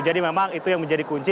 jadi memang itu yang menjadi kunci